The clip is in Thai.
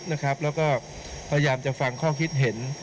แล้วก็พยายามจะฟังข้อคิดเห็น